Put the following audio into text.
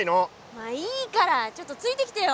まあいいからちょっとついてきてよ。